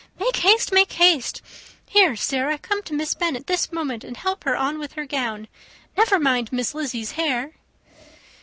Make haste, make haste. Here, Sarah, come to Miss Bennet this moment, and help her on with her gown. Never mind Miss Lizzy's hair."